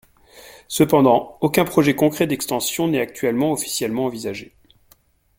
Cependant, aucun projet concret d'extension n'est actuellement officiellement envisagé.